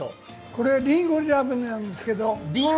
これりんごジャムなんですけど。